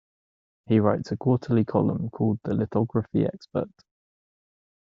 He writes a quarterly column called the Lithography Expert.